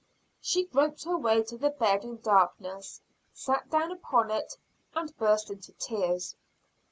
She groped her way to the bed in the darkness, sat down upon it and burst into tears.